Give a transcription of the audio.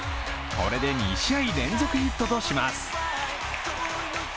これで２試合連続ヒットとします。